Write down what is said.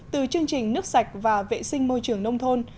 từ chương trình nước sạch và vệ sinh môi trường nông thôn